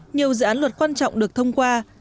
nhiều dự án luật quan trọng được thông qua